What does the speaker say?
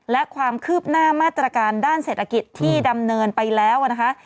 และความคืบหน้ามาตรการด้านเศรษฐกิจที่ดำเนินไปแล้วนะคะ